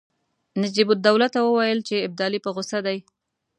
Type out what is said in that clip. نجیب الدوله ته وویل چې ابدالي په غوسه دی.